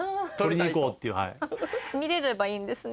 見れればいいんですね